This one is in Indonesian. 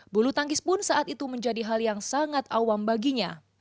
bulu tangkis pun saat itu menjadi hal yang sangat awam baginya